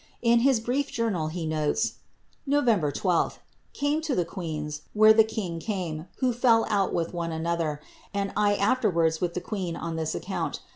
In his brief journal he notes: . CSame to the queen's, where the king came, wAo fell out with er, and I afterwards with the queen, on this account.